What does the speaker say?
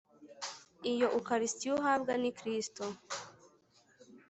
iyo ukaristiya uhabwa ni krisito